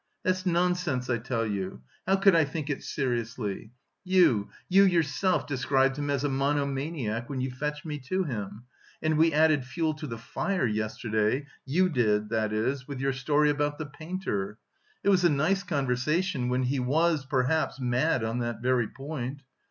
"That's nonsense, I tell you, how could I think it seriously? You, yourself, described him as a monomaniac when you fetched me to him... and we added fuel to the fire yesterday, you did, that is, with your story about the painter; it was a nice conversation, when he was, perhaps, mad on that very point!